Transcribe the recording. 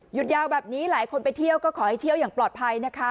ยาวแบบนี้หลายคนไปเที่ยวก็ขอให้เที่ยวอย่างปลอดภัยนะคะ